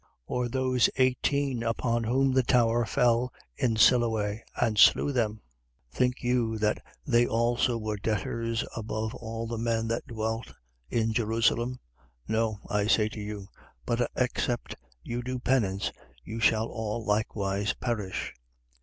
13:4. Or those eighteen upon whom the tower fell in Siloe and slew them: think you that they also were debtors above all the men that dwelt in Jerusalem? 13:5. No, I say to you: but except you do penance, you shall all likewise perish.